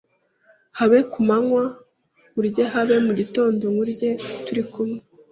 Habe ku manywa nkurye habe' mu gitondo nkuryeTuri kumwe